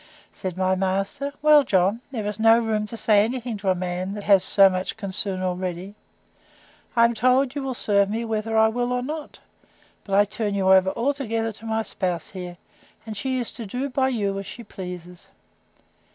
Said my master, Well, John, there is no room to say any thing to a man that has so much concern already: I am told you will serve me whether I will or not; but I turn you over altogether to my spouse here: and she is to do by you as she pleases.